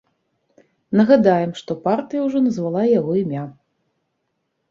Нагадаем, што партыя ўжо назвала яго імя.